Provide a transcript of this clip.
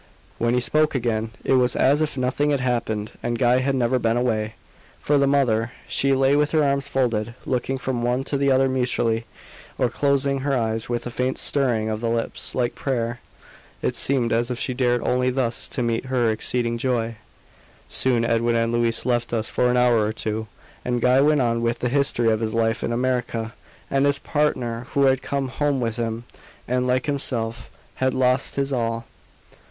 When he spoke again it was as if nothing had happened and Guy had never been away. For the mother, she lay with her arms folded, looking from one to the other mutely, or closing her eyes with a faint stirring of the lips, like prayer. It seemed as if she dared only THUS to meet her exceeding joy. Soon, Edwin and Louise left us for an hour or two, and Guy went on with the history of his life in America and his partner who had come home with him, and, like himself, had lost his all.